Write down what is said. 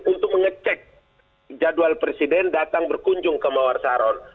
untuk mengecek jadwal presiden datang berkunjung ke mawar saron